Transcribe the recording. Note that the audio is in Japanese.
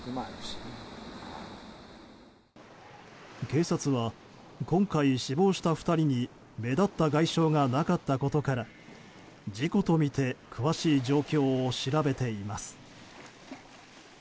警察は今回、死亡した２人に目立った外傷がなかったことから事故とみて詳しい状況を調べています。